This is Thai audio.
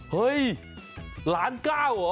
เฮ้ย๑ล้าน๙หรอ